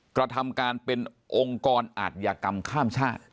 กระทำการเป็นองค์กรอาธิกรรมข้ามชาติ